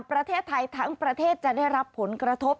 ประเทศไทยทั้งประเทศจะได้รับผลกระทบ